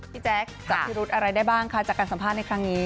แจ๊คจับพิรุธอะไรได้บ้างคะจากการสัมภาษณ์ในครั้งนี้